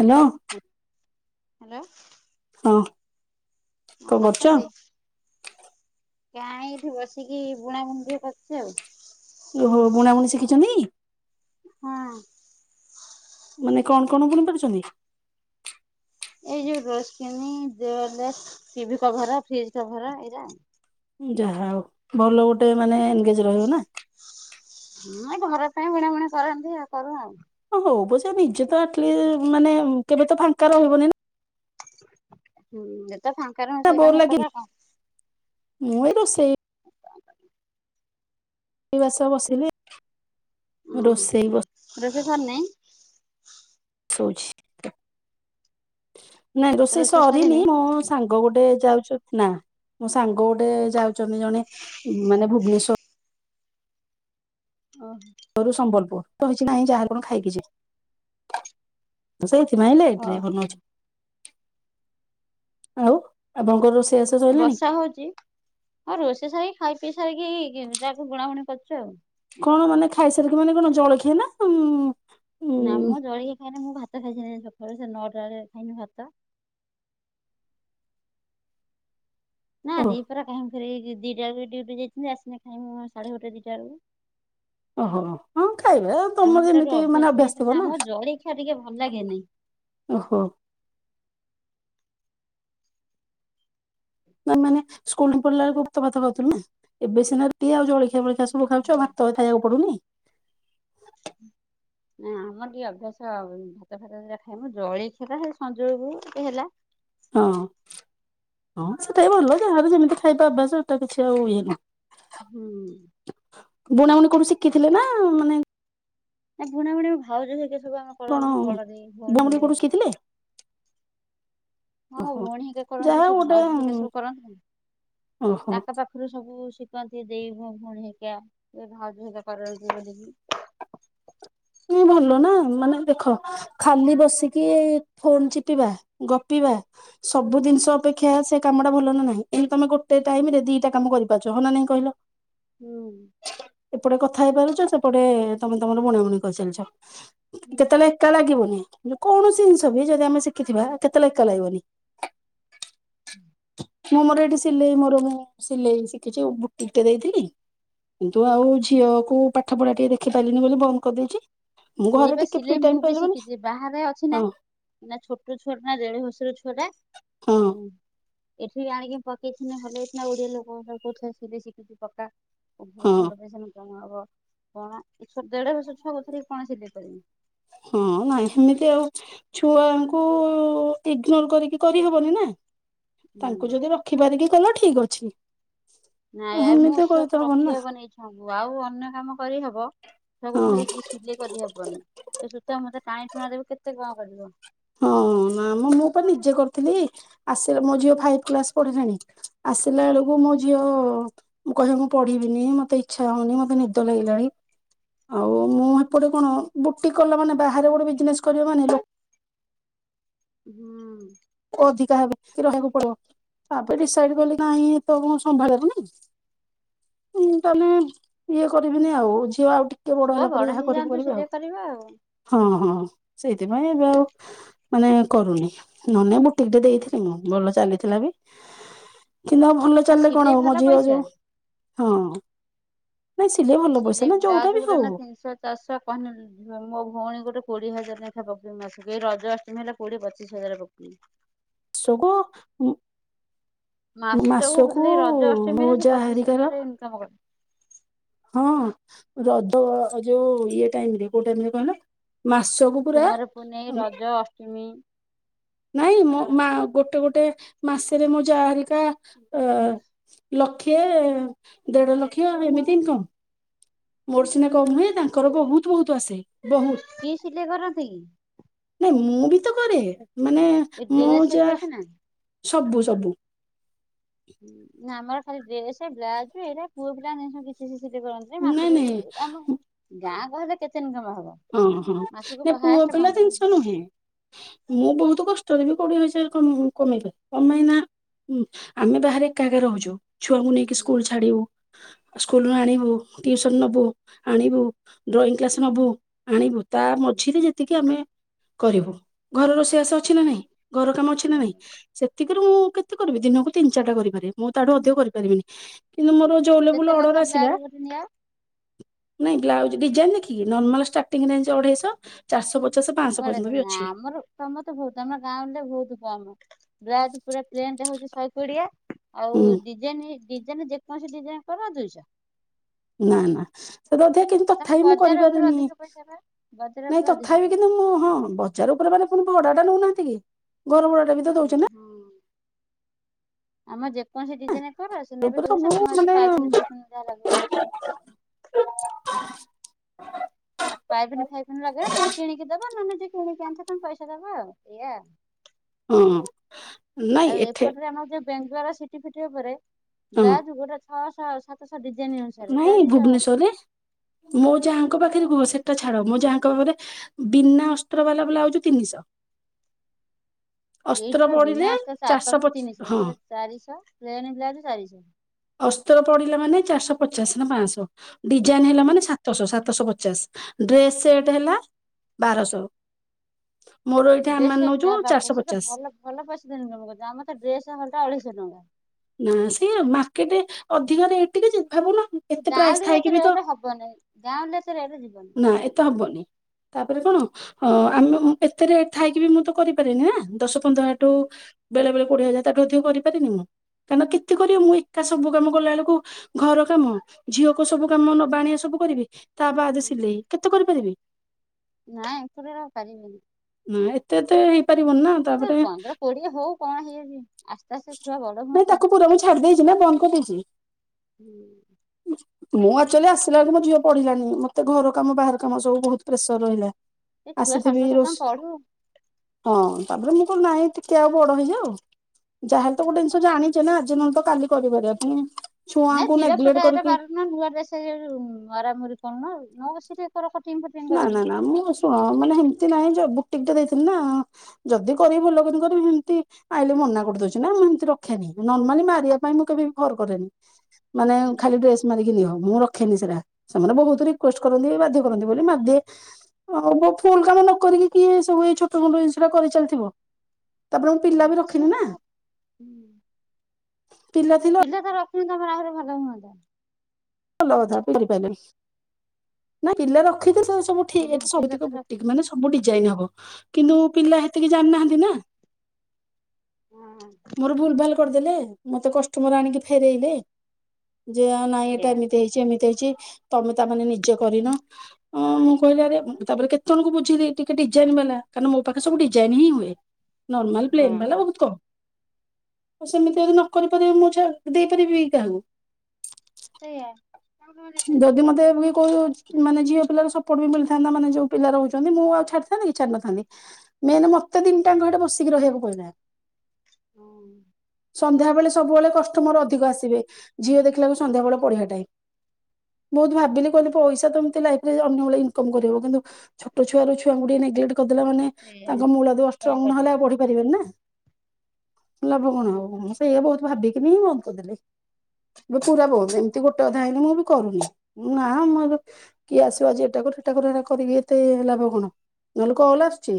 Hello. Hello. ହଁ। କଁ କଣ କରୁଛ? କରୁଚନ୍ତି? କାଁ ଏଇଠି ବସିକି ବୁଣା ବୁଣି ଟିକେ କରୁଛି ଆଉ। ଓହୋ! ବୁଣା ବୁଣି ଶିଖିଚନ୍ତି? ହଁ। ମାନେ କଣ କଣ ବୁଣି ପାରୁଚନ୍ତି? ଏଇ ଯୋଉ ଡୋର ସ୍କ୍ରିନି, ଦେଓର lace, TV cover, fridge cover ଏଇରାଉ। ଯାହା ହଉ ଭଲ ଗୋଟେ ମାନେ ଏନ୍ ଗେଜ୍ ରହିବ ନା! ହୁଁ ହେଇ ଘର ପାଇଁ ବୁଣାବିଣା କରେ ଏମତି, ଆଉ କରୁ ଆଉଁ। ହଁ ହଉ ବ ସେ ନିଜେ ତ ଆଟ୍ଲି ମାନେ କେବେ ତ ଫାଙ୍କା ରହିବନି ନା! ହୁଁ, ଯେତେ ଫାଙ୍କ ରହୁଁ, ନା ସେ ବୋର କାମ ଲାଗି କରୁ ଆଉ କଣ? ମୁଁ ଏଇ ରୋଷେଇ ବାସ ବସିଲି, ଉଁ ରୋଷେଇ ବସ୍ ରୋଷେଇ ସରିନେଇଁ? ନାଇଁ, ରୋଷେଇ ସରିନି ମୁଁ ସାଙ୍ଗ ଗୋଟେ ଯାଉ ଚ ନା, ମୋ ସାଙ୍ଗ ଗୋଟେ ଯାଉଛନ୍ତି ଜଣେ ମାନେ ଭୁବନେଶ୍ୱର ଓହ! ଘରୁ ସମ୍ବଲପୁର, କହିଛି ନାହିଁ ଯାହାହେଲେ ମୁଁ ଖାଇକି ଯିବି। ସେଇଥିପାଇଁ ଲେଟ୍ ରେ ଓହୋ ବନଉଚି ଆଉ। ଆପଙ୍କର ରୋଷେଇଆସ? ବର୍ଷା ହଉଛି, ହଁ ରୋଷେଇ ସାରିକି ଖାଇ ପିଇ ସାରିକି, ତାକୁ ବୁଣାବୁଣି କରୁଛୁ ଆଉ। କଣ ମାନେ ଖାଇସାରିକି ମାନେ କଣ ଜଳଖିଆ ନା ଉଁ ନା ଉଁ ମୁଁ ଜଳିଖିଆ ଖାଇନି, ମୁଁ ଭାତ ଖାଇସାଇଲିନି ସକାଳୁ, ସେ ନଅଟା ବେଳେ ଖାଇନି ଭାତ। ନା ଓ ଦିପହର କାହିଁ କରିବେ [unintelligible] ଦିଟା ବେଳକୁ ଡି୍ୟୁଟି ଯାଇଛନ୍ତି। ଆସନେ ଖାଇଁମୁଁ ସାଢେ ଗୋଟେ ଦିଟା ବେଳକୁ। ଓହୋ ହଁ ଖାଇବା ଆମ ତମର ସେଟା ଗୋଟେ ଯେମିତି ମାନେ ଅଭ୍ୟାସ ହେଇଯାଇଛି ଥିବ ନା, ଆମକୁ ଜଳ ଖିଆ ଟିକେ ଭଲ ଲାଗେନି। ଓହୋ। ନା ମାନେ ସ୍କୁଲଠୁ ପଢଲା ବେଳେ ଉକ୍ତ ଭାତ ଫାତ ଖାଉଥୁଲୁ ନା, ଏବେ ସିନା ରୁଟି ଆଉ ଜଳଖିଆ ଫଳିଖିଆ ସବୁ ଖାଉଛ! ଆଉ ଭାତ ଏତ୍ ଖାଇଆକୁ ପଡୁନି! ହୁଁ। ନା ଆମର ଟିକେ ଅଭ୍ୟାସ ଭାତ ଫାତ ଦିଟା ଖାଇମୁଁ, ଜଲିଖିଆ ଟା ଖାଲି ସଞ୍ଜ ବେଳକୁ ଟିକେ ହେଲା। ହଁ। ହଁ, ସେଇଟା ବି ଭଲ। ଯାହାର ଯେମିତି ଖାଇବା ଅଭ୍ୟାସ ହେଟା କିଛି ଆଉ ଇଏ ନାହିଁ। ହୁଁ। ବୁଣାବୁଣି କୋଉଠୁ ଶିଖିଥିଲେ ନା ମାନେ ନା ବୁଣା ବୁଣୀ ଭାଉଜ ହେରିକା ସବୁ ଆମ କଣ କରନ୍ତି। ମ ବଡଦେଇ, ଭଉଣୀ ବୁଣାବୁଣି ହେଇକା କୋଉଠୁ ଶିଖିଥିଲେ ହଁ ଓହୋ ଭଉଣୀ ହେଇକା କରନ୍ତି, ଯାହା ହଉ ସେ ଗୋଟେ ଭାଉଜ ହେଇକା ସବୁ କରନ୍ତିନି, ଓହୋ ତାଙ୍କ ପାଖ ପାଖରୁ ସବୁ ଶିଖନ୍ତି, ଦେଇ ଭ-ଭଉଣୀ ହେଇକା, ଭାଉଜ ହେଇକା କରନ୍ତି [unintelligible] ନାଇଁ ଭଲ ନା, ମାନେ ଦେଖ ଖାଲି ବସିକି ଫୋନ ଚିପିବା। ଗପିବା। ସବୁ ଦିନିଷ ଅପେକ୍ଷା ସେ କାମଟା ଭଲ ନା ନାହିଁ ଏମତି ତମେ ଗୋଟେ ଟାଇମରେ ଦିଟା କାମ କରିପାରୁଛ ହଁ ନାହିଁ କହିଲ। ହୁଁ। ଏପଟେ କଥା ହେଇପାରୁଚ ସେପଟେ ତମେ ତମର ବୁଣା ବୁଣି କରିଚାଲିଛ କେତେବେଳେ କା ଲାଗିବନି ଯେକୌଣସି ଜିନିଷ ବି ଯଦି ଆମେ ଶିଖିଥିବା କେତେବେଳେ ଏକା ଲାଗିବନି। ହୁଁ। ମୁଁ ମୋର ଏଇଠି ସିଲେଇ ମୋର ମୁଁ ସିଲେଇ ଶିଖିଚି ବୁଟିକଟେ ଦେଇଥିଲି। କିନ୍ତୁ ଆଉ ଝିଅକୁ ପାଠପଢା ଟିକେ ଦେଖି ପାଇଲିନି ବୋଲି ବନ୍ଦ କରିଦଉଛି। ସେଇ ବା ସିଲେଇ ମୁଁ ବି ଶିଖିଚି ଏ ବାହାରେ ଅଛି ନା। ହଁ ଏଇନା ଛୋଟ ଛୁଆଟା ଦେଢବର୍ଷର ଛୁଆଟା ହଁ ଆଉ ଏଠି ବି ଆଣିକି ପକେଇଥିନେ ଭଲ ହେଇଥିନା ଓଡିଆ ଲୋକଙ୍କର କଉଥିଲେ ସିଲେଇ ଶିଖିଚୁ ପକା। [unintelligible] ହଁ ଭଲ ପଇସା [unintelligible] କଣ [unintelligible] ଦେଢବର୍ଷର ଛୁଆକୁ ଧରି କଣ ସିଲେଇ କରିମି। ହଁ ନାଇଁ ସେମିତି ଆଉ ଛୁଆଙ୍କୁ ଇଗ୍ନୋର କରିକି କରିହବନି ନା। ହୁଁ ତାଙ୍କୁ ଯଦି ରଖିପାରିକି କଲ ଠିକ୍ ଅଛି। ନାଇଁ ବା ମୋ ଏମିତି କରିତ ଛୁଆକୁ ହବନି ନା ରଖିହବନି ଏଇ ଛୁଆଙ୍କୁ ଆଉ ଅନ୍ୟ କାମ କରିହବ। ତାକୁ ହଁ। ଧରିକି ସିଲେଇ କରିହବନି ସେ ସୁତା ମୁତା ଟାଣି ଟୁଣା ଦେବେ କେତେ କଁ କରିବ। ହଁ ନା ମୋ ମୁଁ ତ ନିଜେ କରୁଥିଲି ଆସିଲା ମୋ ଝିଅ ଫାଇଭ କ୍ଲାସ୍ ପଢିଲାଣି। ଆସିଲାବେଳୁକୁ ମୋ ଝିଅ ମୁଁ କହିବ ମୁଁ ପଢିବିନି ମତେ ଇଚ୍ଛା ହଉନି ମତେ ନିଦ ଲାଗିଲାଣି। ଆଉ ମୁଁ ହେପଟେ କଣ ବୁଟିକ୍ କଲା ମାନେ ବାହାରେ ଗୋଟେ ବିଜନେସ୍ କରିବ ମାନେ ଲୋ ହୁଁ। କ ଅଧିକା ହେବେ କି ରହିଆକୁ ପଡିବ। ତାପରେ ଡିସାଇଡ୍ କଲି ନାହିଁ ଏତେ ଲୋକଙ୍କୁ ସମ୍ଭାଳି ହବନି। ମୁଁ ତାହଲେ ଇଏ କରିବିନି ଆଉ ଝିଅ ଆଉ ଟି କେ ବଡ ଛୁଆ ହେଲା ପରେ ଯାହା କରିବୁ ହେଇଯାଆନ୍ତୁ କରିବି ଆଉ। ସିଲେଇ କରିବା ଆଉ ହଁ ହଁ ସେଇଥିପାଇଁ ଏବେ ଆଉ ମାନେ କରୁନି ନହେନେ ମୋ କେବେ ଦେଇଥିଲି ମୁଁ ଭଲ ଚାଲିଥିଲା ବି। କିନ୍ତୁ ଆଉ ଭଲ ନା ଚାଲିଲେ ସିଲେଇ କଣ ହବ ମୋ ଭଲ ଝିଅ ପଇସା ଯୋଉ ହଁ। ନାଇଁ ସିଲେଇ ଭଲ ପଇସା ନା ଯୋଉଟା ବି ହଉ। ଚାଷୁଆ କହନି ଉଁ ଝୁଅ ମୋ ଭଉଣୀ ଗୋଟେ କୋଡିଏ ହଜାର ନେଖା ପାଉଥିଲା ମାସୁକୁ ଏଇ ରଜ ଆଷ୍ଟମୀ ହେଲେ କୋଡିଏ ପଚିଶ ହଜାର [unintelligible] ସୋକୁ ଉଁ ମାସକୁ ଖାଲି ରଜ ମୋ ଅଷ୍ଟମୀରେ ସିଏ ଅଜା ପଚିଶ ହେରିକାର ହଜାର ଇନକମ୍ କରେ। ହଁ ରଜ ଏ ଯୋଉ ଇଏ ଟାଇମରେ କୋଉ ଟାଇମରେ କହିଲ ମାସକୁ ପୁରା କୁମାର ପୁନେଇ ରଜ ଅଷ୍ଟିମୀ ନାଇଁ ମୋ ମା ଗୋଟେ ଗୋଟେ ମାସେରେ ମୋ ଯା ହେରିକା ଆ ଲକ୍ଷେ ଦେଢଲକ୍ଷ ଆରେ ଏମିତି ଇନକମ୍। ମୋର ସିନା କମ୍ ହୁଏ ତାଙ୍କର ବୋହୁତ ବୋହୁତ ଆସେ ବୋହୁତ। କି ସିଲେଇ କରନ୍ତି କି? ନାଇଁ ମୁଁ ବି ତ କରେ ମାନେ ଏ ମୋ ଡ୍ରେସ ଯା ଫ୍ରେସ ନା ସବୁ ସବୁ। ହୁଁ ନା ଆମର ଖାଲି ଡ୍ରେସେ ବ୍ଲାଉଜ ଏଇରା ପୁଅ ପିଲାଙ୍କ ଜିନିଷ କିଛି ସିଏ ସିଲେଇ କରନ୍ତ୍ ସେ ନାଇଁ ମାସୁକୁ ନାଇଁ ଆମ ଗାଁ ଗହଳିରେ କେତେ ଇନକମ ହବ। ଅଁ ହଁ ମାସକୁ ନା ପୁଅ ହାଏଷ୍ଟ ପିଲା ପନ୍ଦର ଜିନିଷ ହଜାର ନୁହେଁ। ମୁଁ ବୋହୁତୁ କଷ୍ଟରେ ବି କୋଡିଏ ହଜାର କମେଇ କମେଇ ପାରେ ତମେ ଏଇନା ଉଁ ଆମେ ବାହାରେ ଏକା ଏକା ରହୁଚୁ ଛୁଆଙ୍କୁ ନେଇକି ସ୍କୁଲ ଛାଡିବୁ। ସ୍କୁଲଣୁ ଆଣିବୁ, ଟିଉସନ ନେବୁ, ଆଣିବୁ, ଡ୍ରଇଂ କ୍ଲାସ ନେବୁ ଆଣିବୁ, ତା ମଝିରେ ଯେତିକି ଆମେ କରିବୁ, ଘରେ ରୋଷେଇ ବାସ। ଅଛି ନା ନାଇଁ? ଘର କାମ ଅଛି ନା ନାଇଁ? ସେତିକିରୁ ମୁଁ କେତେ କରିବି? ଦିନକୁ ତିନି, ଚାରଟା କରିପାରିବି ମୁଁ ତାଠୁ ଅଧିକ କରିପାରିବିନି, କିନ୍ତୁ ମୋର ଯୋଉ କେତେ ଲେବୁଲର ଅର୍ଡର ଲେଖା ଆସିଲା ବ୍ଲାଉଜ ଗୋଟେ ନିଆ ନାଇଁ, ବ୍ଲାଉଜ ଡିଜାଇନ୍ ଦେଖିକି ନର୍ମାଲ ଷ୍ଟାର୍ଟିଂରେ ଅଢେଇଶ ଚାରଶହ ପଚାଶ ପାଆଶହ ପର୍ଯ୍ୟନ୍ତ ବି ଅଛି। ତମେ ତ ବହୁତ୍ ଆମ ଗାଁ ରେ ବହୁତ୍ କାମ ବ୍ଲାଉଜ ପୁରା ପ୍ଲେନ୍ଟା ହଉଛି ଶହେ କୋଡିଏ। ଆଉ ହୁଁ ଡିଜାଇନି୍ ଡିଜାଇନ ଯେକୌଣସି ଡିଜାଇନ କର ଦୁଇଶହ। ନା ନା [unintelligible] ତମେ ତଥାପି ମୁଁ ବଜାର ଉପରେ କରିପାରେନି ଅଧିକ ପଇସା ପା। ବଜାର ନାଇଁ ଉପରେ ଅଧିକ ତଥାପି ପଇସା। କିନ୍ତୁ ମୁଁ ହଁ ବତ୍। ବଜାରେ ଉପରେ ମାନେ ପୁଣି ଭଡାଟା ନେଉନାହାନ୍ତି କି? ଘର ଭଡା ଟା ବି? ତ ଦଉଛ ହୁଁ ନା ହଁ ଆମେ ଯେକୌଣସି ଡିଜାଇନେ। କହିପାରୁଛନ ନା ଏବେ ଉପରେ ଦୁଇଶହ? ସବୁ ତମ ଏଠି ମାନେ ପାଇପିନି ଫାଇପିନି ଯାଆ ଲଗେଇବ। ହଁ ଆଉ ପାଇପିନି ଫାଇବିନି ଲଗେଇବ। ତମେ କିଣିକି ଦବ ନହେଲେ ଯିଏ କିଣିକି ଆଣିଥିବ ତାଙ୍କୁ ପଇସା ଦେବ। ଆଉ ଏଇଆ ଆଉ। ହୁଁ। ଆଉ ଏପଟରେ ଆମର ଯୋଉ ବ୍ୟାଙ୍କ୍ ଦ୍ଵାରା ସିଟି ଫିଟି ଉପରେ ବ୍ରଜ୍ ଗୋଟା ଛଅଶହ ସାତ୍ ମୁଁ ଏଇ ଭୁବନେଶ୍ଵରରେ ମୋ ଯାଆଙ୍କ ପାଖରେ କୁହ ସେଟା। ଛାଡ, ମୋ ଯାହା କଇବେ, ବିନା ଅସ୍ତର ବାଲା ବ୍ଲାଉଜ୍ ତିନିଶହ। ଅସ୍ତ୍ର ଏଇଠିବା ପଡିଲେ ବିନା ଆସ ସାତ ଚାରିଶହ ପଚା ତିନିଶହ ହଁ ଫେର୍ ଚାରିଶହ। ପ୍ଲେନ୍ ବ୍ଲାଉଜ୍ ଚାରିଶହ। ଅସ୍ତର ପଡିଲା ମାନେ ଚାରଶହ ପଚାଶ ନା ପାଂଶ ଡିଜାଇନ୍ ହେଲା ମାନେ ସାତ୍ [unintelligible] ସାତଶହ ପଚାଶ ଡ୍ରେସ ସେଟ୍ ହେଲା ବାରଶହ। ମୋର ଏଇଠା ଡ୍ରେସ ମାନେ ନେଉଚୁ ସେଟ ବାପ ଚାରଶହ ସେ ତ ପଚାଶ। ଭଲ ଭଲ ପଇସା ଇନକମ୍ କରୁଚ ଆମର ତ? ଡ୍ରେସ୍ ଘରିକା ଅଢେଇଶହ ଟଙ୍କା। ନାଇଁ ସିଏ ମାର୍କେଟରେ ଅଧିକ ରେଟ୍ ଟିକେ ଭାବୁନା। ଏତେ ପ୍ରାଇସ୍ ଗାଉଁଲିରେ ଏତେ ଥାଇକି ବି ତ ରେଟ୍ ହବନି ଗାଉଁଲିରେ ଏତେ ରେଟ୍ ଯିବନି। ନା ଏତେ ହବନି। ତାପରେ କଣ? ହଁ ଆମେ ଏତେ ରେଟ୍ ଥାଇକି ବି ମୁଁ ତ କରିପାରିବିନି ନା। ଦଶ, ପନ୍ଦର ହଜାରଠୁ ବେଳେ ବେଳେ କୋଡିଏ ହଜାର। ତା, ଠୁ ଅଧିକ କରିପାରିବିନି। କାମ କେତେ କରିବ? ମୁଁ ଏକା ସବୁ କାମ କଲା ବେଳକୁ ଘର କାମ, ଝିଅକୁ ସବୁ କାମ, ନବା ଆଣିବା ସବୁ କରିବି, ତା, ବାଦ ସିଲେଇ କେତେ କରିପାରିବି? ନାଇଁ, ଏଥର ପାରିବିନି। ନା, ଏତେ ତ ହେଇପାରିବନି ନା। ତା, ଏ ପରେ ପନ୍ଦର କୋଡିଏ ହଉ କଣ ହେଇଯାଉଛି ଆସ୍ତେ ଆସ୍ତେ ଛୁଆ ବଡ ନାଇଁ, ହୁଅନ୍ତୁ। ତାକୁ ପୁରା ମୁଁ ଛାଡିଦେଇ ଯିବା ବନ୍ଦ କରିଦେଇଛ। ଉଁ। ହୁଁ। ମୁଁ ଆକ୍ଚୁଆଲି ଆସିଲା ବେଳକୁ ମୋ ଝିଅ ପଢିଲାନି, ମତେ ଘର କାମ, ବାହାର କାମ ସବୁ ବହୁତ ପ୍ରେସର ରହିଲା। ଏ ଛୁଆ ଆସିଥିବି ଷଷ୍ଠ, ରୋଷ ସପ୍ତମ ପଢୁ ହଁ ତାପରେ ମୁଁ କଣ ନାଇଁ ଟିକେ ଆଉ ବଡ ହେଇଯାଉ। ଯାହାହେଲେ ତ ଗୋଟେ ଜିନିଷ ଜାଣିଛ୍। [unintelligible] ନା ଆଜି ନହେଲେ ତ କାଲି କରିପାରିବା ପାଇଁ। ନାଇଁ ଚିରା ଫଟାର ବାରଣ ନାଇ ନୂଆ ଡ୍ରେସ୍ ମାରା ମୁରି କଣ ନା ଆଉ ନୂଆ [unintelligible] କଟିଙ୍ଗ ଫଟିଙ୍ଗ୍। ନା ନା ନା ମୁଁ ଶୁଣ, ମାନେ ହେମତି ନାହିଁ। ବୁକ୍ ଟିକଟା ଦେଇଥିଲି ନା। ଯଦି ଗରିବି ଲେକଙ୍କର ହେମତି ଆଇଲେ ମନା କରିଦଉଚି ନା। ମୁଁ ଏମତି ରଖେନି। ନର୍ମାଲି ମାରିବା ପାଇଁ ମୁଁ କେବେ ବି ଫର୍ କରେନି। ମାନେ ଖାଲି ଡ୍ରେସ୍। ମାରିକି ନିଅ ମୁଁ ରଖେନି ସେଟା। ସେମାନେ ବହୁତ ରିକ୍ୱେଷ୍ଟ କରନ୍ତି ବାଧ୍ୟ କରନ୍ତି ବୋଲି ମାଘ। ଆଉ ଫୁଲ୍ କାମ ନ କରିକି କିଏ ଏ ସବୁ ଛୋଟ ମୋଟ ଜିନିଷଏରା କରି ଚାଲିଥିବ। ତାପରେ ମୁଁ ପିଲା ବି ହଁ ସେ ରଖିନି ନା ଗୋଟେ ପିଲା ଥିଲେ ପିଲା ତ ରଖନ୍ତୁ ତମର ଆହୁରି ଭଲ ହୁଅନ୍ତା। ଭଲ କଥା କରିପାରିବେ ନାଇଁ ପିଲା ରଖିଲେ ସବୁ ହଁ ଠିକ୍ ପିଲା ତ ରଖିଲେ [inaudible] ସବୁ ଡିଜାଇନ ହବ କିନ୍ତୁ ପିଲା ହେତିକି ଜାଣି ନାହାନ୍ତି ନା। ହଁ ମୋର ଭୁଲ ଭାଲ କରିଦେଲେ ମତେ କଷ୍ଟମର ଆଣିକି ଫେରେଇବେ। ଯେ ନାଇଁ ସେଇଆ ଏଇଟା ଏମିତି ହେଇଛି ଏମିତି ହେଇଛି ତମେ ତା ମାନେ ନିଜେ କରିନ। ହଁ ମୁଁ କହିଲି ଆରେ ତା ପରେ କେତେ ଜଣ କୁ ବୁଝେଇଲି ଟିକେ ଡିଜାଇନ୍ ବାଲା କାରଣ ମୋ ପାଖରେ ସବୁ ଡିଜାଇନ୍ ହିଁ ହୁଏ। ନର୍ମାଲ ହଁ ସେଇଆ। ପ୍ଲେନ୍ ବାଲା ହଁ ବହୁତ କମ୍। ସେମିତି ଯଦି ନ କରି ପାରିବେ ମୁଁ ଝା ଦେଇପାରିବି କି କାହାକୁ। ସେଇଆ। ଆଉ ଯଦି ମତେ ବି ଉ ମାନେ ଝିଅ ପିଲାର ସପୋର୍ଟ ବି ମିଳିଥାନ୍ତା ମାନେ ଯୋଉ ପିଲା ରହୁଛନ୍ତି ମୁଁ ଆଉ ଛାଡ଼ିଥାନ୍ତି କି ଛାଡ଼ି ନଥାନ୍ତି। ମେନ୍ ମତେତିନିଟାଙ୍କ ହେଟୀ ବସିକି ରହିଆକୁ ପଇଲା। ହଁ। ସନ୍ଧ୍ୟା ବେଳେ ସବୁବେଳେ କଷ୍ଟମର ଅଧିକ ଆସିବେ ଝିଅ ଦେଖିଲା ବେଳକୁ ସନ୍ଧ୍ୟାବେଳେ ପଢ଼ିଆ ଟାଇମ। ବହୁତ ଭାବିଲି କହିଲି ପଇସା ତ ଏମିତି ଲାଇଫ ରେ ଅନ୍ୟ ବେଳେ ଇନକମ୍ କରିହେବ କିନ୍ତୁ ଛୋଟ ଛୁଆର ଛୁଆ ଙ୍କୁ ଟିକେ ନେଗଲଟ କରିଦେଲେ ମାନେ ତାଙ୍କ ମୂଳ ଦୁଆ କଣ ଷ୍ଟ୍ରଙ୍ଗ କରିବା ନହେଲେ ଆଉ ପଢ଼ି ପାରିବେନି ନା ତ ଲାଭ କଣ ହବ ସେଇଆ ବହୁତ ଭାବିକିନି ବନ୍ଦ କରି ଦେଲି। ଏବେ ପୁରା ବୋହୁତ ଏମିତି ଗୋଟେ ଅଧେ ଆଇନେ ମୁଁ ବି କରୁନି ନା ମୁଁ ଏବେ କିଏ ଆସିବ ଆଜି ଏଟା କର ହେଟା କର କରିକି ଏତେ ଲାଭ କଣ ନହେଲେ କଲ ଆସୁଚି।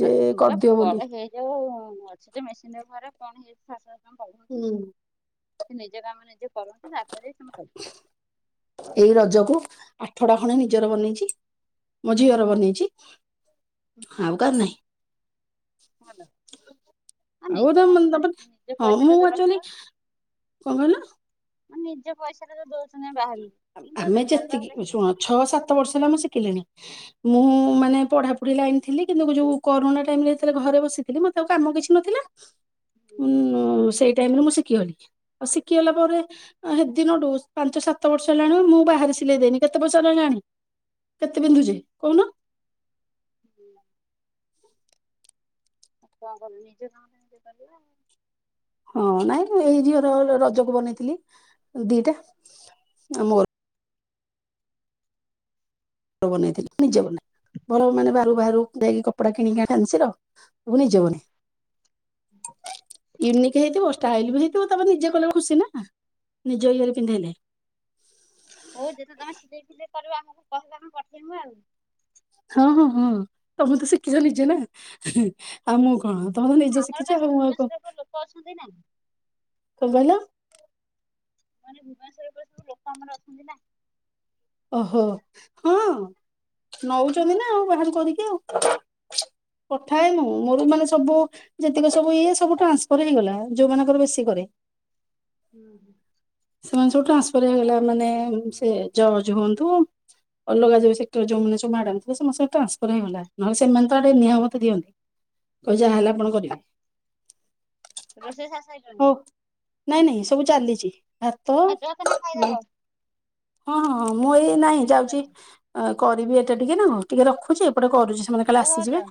ଯେ କରିଦିଅ ବୋଲି। ଯେଉଁ ଅଛି ଯେ ମେସିନ୍ ଘରେ କଣ ହେଇଚି ଫାର୍ଷ୍ଟ କହିବେ କି? ହୁଁ ସେ ନିଜ କାମ ନିଜେ କରନ୍ତୁ ତାପରେ ତମେ ଏଇ ରଜକୁ ଆଠ ଟା ଖଣ୍ଡେ ନିଜର ବନେଇଚି। ମୋ ଝିଅର ବନେଇଛି ଆଉ କାର ନାଇଁ। ଭଲ ହେଇଚି। ହଁ ଆଉ ନିଜ କାମ ମାନେ ତ ତାପରେ ନିଜ ହଁ ପଇସା ମୁଁ ଟା ତ ଆକ୍ଚୁଆଲି ରହିବ। କଣ କହିଲ ନିଜ ପଇସା ଟା ତ ଦଉଛନ୍ତି ବାହାରକୁ ଆମେ [inaudible] ଘରେ ଯେତିକି ଶୁଣ ରହିବ। ଛଅ ସାତ ବର୍ଷ ହେଲା ମୁଁ ଶିକିକିଣି। ମୁଁ ମାନେ ପଢାପଢି ଲାଇନ୍ ଥିଲି କିନ୍ତୁ ଯୋଉ କରୁଣା ଟାଇମ ରେ ଯେତେ ବେଳେ ଘରେ ବସିଥିଲି ମତେ ଆଉ କାମ କିଛି ନ ଥିଲା। ଉଁ ସେଇ ଟାଇମରେ ମୁଁ ଶିଖିଗଲି। ଆଉ ସିକିଗଲା ପରେ ହେ ଦିନଠୁ ପାଞ୍ଚ ସାତ ସାତ ବର୍ଷ ହେଲାଣି ମୁଁ ବାହାରେ ସିଲେଇ ଦେଇନି କେତେ ପଇଷା ହେଲାଣି କେତେ ପିନ୍ଧୁଛି କହୁନୁ। ହୁଁ [inaudible] କଣ କରିବି ନିଜ କାମ ନିଜେ କରିବା। ହଁ ନାଇଁ ଏଇ ଝିଅର ରଜକୁ ବନେଇଥିଲି ଦିଟା ଆଉ ମୋର। ବନେଇଥିଲି ନିଜେବନେଇଥିଲି ଘର ମାନେ ବାହାରକୁ ବାହାରୁ ଯାଇକି କପଡା କିଣିକି ଆଣିକି ଫ୍ୟାନ୍ସି ର ମୁଁ ନିଜେ ବନେ ହୁଁ [inaudible] ୟୁନିକ୍ ହେଇଥିବ ଷ୍ଟାଇଲ ବି ହେଇଥିବ ତାପରେ ନିଜେ କଲେ ଖୁସି ନା ନିଜ ଇଏରେ ପିନ୍ଧିଲେ ହଉ ଯେବେ ତମେ ସିିଲେଇ ଫିଲେଇ କରିବଆମକୁ କହିବ ଆମେ ପଠେଇବୁ ଆଉ। ହଁ ହଁ ହଁ ତମେ ତ ଶିଖିଛ ନିଜେ ନା ଆଉ ମୁଁ କଣ ତମେ ତ ନିଜେ ଆମର ଶିଖିଛ ବା ସେ ଆଉ କଣ କଣ ଭୁବନେଶ୍ୱର ଉପରେ ଲୋକ ଅଛନ୍ତି ନା କହିଲ? ମାନେ ଭୁବନେଶ୍ୱର ବି ଲୋକ ଆମର ଅଛନ୍ତି ନା। ଓହୋ ହଁ ନଉଚନ୍ତି ନା ଆଉ ବାହାରୁ କରିକି ଆଉ। କଥା ହେଇନୁ ମୋର ବି ମାନେ ସବୁ ଯେତିକ ସବୁ ଇଏ ସବୁ ଟ୍ରାନ୍ସଫର ହେଇଗଲା ଯୋଉ ମାନଙ୍କର ବେଶୀ କରେ। ହୁଁ ହୁଁ ସେମାନେ ସବୁ ଟ୍ରାନ୍ସଫର୍ ହେଇଗଲା ମାନେ ସେ ଜର୍ଜ ହୁଅନ୍ତୁ। ଅଲଗା ଯୋଉ ସେକ୍ଟର ଯୋଉମାନେ ସବୁ ମ୍ୟାଡମ୍ ଥିଲେ ସମସ୍ତେ ଟ୍ରାନ୍ସଫର ହେଇଗଲା ନହଲେ ସେମାନେ ତେ ନିଅମିତ ଦିଅନ୍ତି। କହେ ଯାହା ହେଲା ଆପଣ କରିବେ। ରୋଷେଇ ସାର୍ ସାଇଲଣି ହଉ ନାଇଁ ନାଇଁ ସବୁ ଚାଲିଛି ଭାତ ଆଉ ଯା ତମେ ହଁ ଖାଇଦବ ହଁ ହଁ ମୁଁ ଏଇ ନାଇଁ ଯାଉଛି କରିବି ଏଟେ ଟିକେ ନା ଟିକେ ରଖୁଛି ଏପଟେ କରୁଛି। ସେମାନେ କାଲେ ହଉ ହଉ ଆସିଯିବେ ଯା।